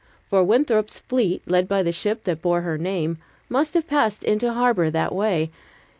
For Winthrop's fleet, led by the ship that bore her name, must have passed into harbor that way.